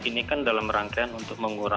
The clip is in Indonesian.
ini kan dalam rangkaian untuk mengurangi